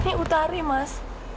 ini utari mas